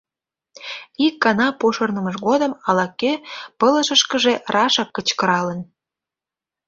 Ик гана пошырнымыж годым ала-кӧ пылышышкыже рашак кычкыралын:.